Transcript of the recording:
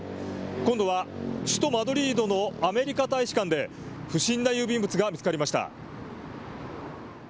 今度は首都マドリードのアメリカ大使館で不審な郵便物が見つかりました。